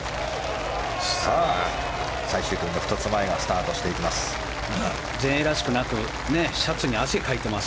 さあ、最終組の２つ前がスタートしていきます。